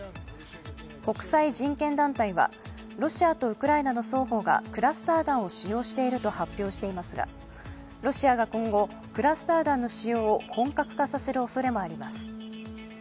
国際人権団体はロシアとウクライナの双方がクラスター弾を使用していると発表していますがロシアが今後、クラスター弾の使用を本格化させるおそれもあります。